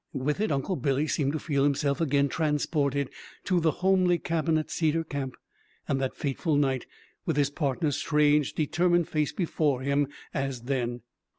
With it Uncle Billy seemed to feel himself again transported to the homely cabin at Cedar Camp and that fateful night, with his partner's strange, determined face before him as then.